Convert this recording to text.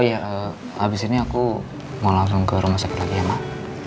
oh iya abis ini aku mau langsung ke rumah sakit lagi ya mbak